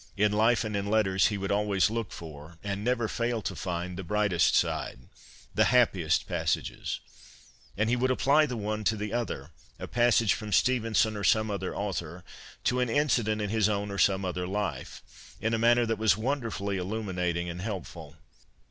In life and in letters he would always look for, and never fail to find, the brightest side, the happiest passages. And he would apply the one to the other — a passage from Stevenson, or some other author, to an incident H 114 CONFESSIONS OF A BOOK LOVER in his own or some other life — in a manner that was wonderfully illuminating and helpful.